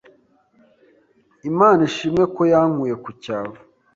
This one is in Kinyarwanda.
Imana ishimwe ko yankuye ku cyavu